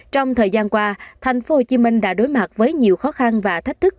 trong thời gian qua tp hcm đã đối mặt với nhiều khó khăn và thách thức